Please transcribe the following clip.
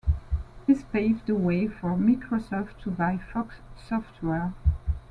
This paved the way for Microsoft to buy Fox Software.